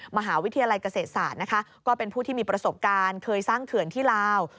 มหาวิทยาลัยเกษตรศาสตร์นะคะก็เป็นผู้ที่มีประสบการณ์เคยสร้างเขื่อนที่ลาว